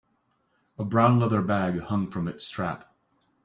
A brown leather bag hung from its strap.